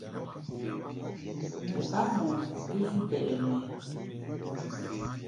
Mɛ bá mɔʼɔ é zú bɛɗɛ mɛʼí̧.